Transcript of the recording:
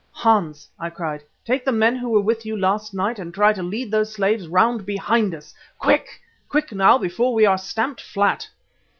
"Hans," I cried, "take the men who were with you last night and try to lead those slaves round behind us. Quick! Quick now before we are stamped flat."